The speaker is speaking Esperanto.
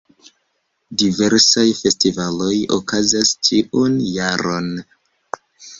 Diversaj festivaloj okazas ĉiun jaron.